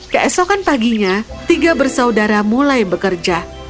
keesokan paginya tiga bersaudara mulai bekerja